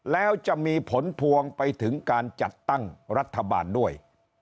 แล้วจะมีผลพวงไปถึงการจัดตั้งรัฐบาลด้วย